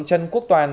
trần quốc toàn